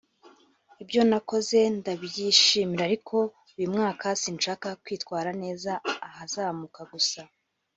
Ibyo nakoze ndabyishimira ariko uyu mwaka sinshaka kwitwara neza ahazamuka gusa